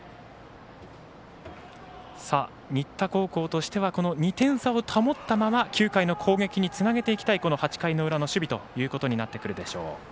新田高校としてはこの２点差を保ったまま９回の攻撃につなげていきたいこの回の守備ということになるでしょう。